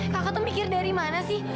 kakak tuh mikir dari mana sih